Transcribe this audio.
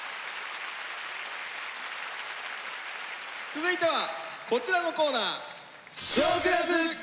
続いてはこちらのコーナー。